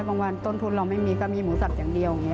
วันต้นทุนเราไม่มีก็มีหมูสับอย่างเดียวอย่างนี้